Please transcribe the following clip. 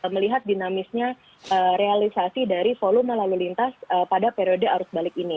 melihat dinamisnya realisasi dari volume lalu lintas pada periode arus balik ini